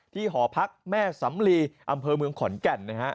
หอพักแม่สำลีอำเภอเมืองขอนแก่นนะฮะ